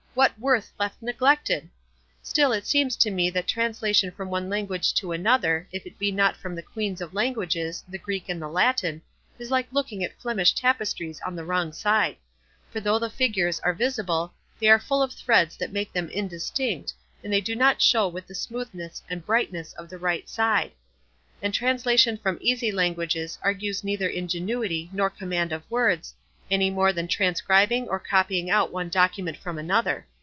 What worth left neglected! Still it seems to me that translation from one language into another, if it be not from the queens of languages, the Greek and the Latin, is like looking at Flemish tapestries on the wrong side; for though the figures are visible, they are full of threads that make them indistinct, and they do not show with the smoothness and brightness of the right side; and translation from easy languages argues neither ingenuity nor command of words, any more than transcribing or copying out one document from another.